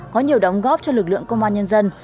có nhiều đóng góp cho lực lượng công an nhân dân